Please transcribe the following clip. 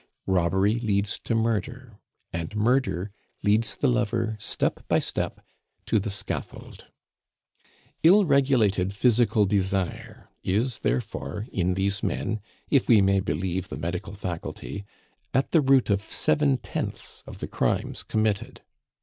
Robbery leads to murder, and murder leads the lover step by step to the scaffold. Ill regulated physical desire is therefore, in these men, if we may believe the medical faculty, at the root of seven tenths of the crimes committed.